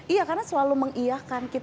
iya karena selalu mengiyahkan